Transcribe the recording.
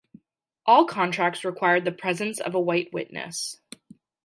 All contracts required the presence of a White witness.